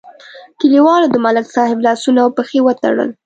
کلیوالو د ملک صاحب لاسونه او پښې وتړل.